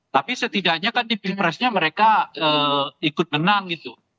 tapi setidaknya kan di pilpresnya mereka ikut menang gitu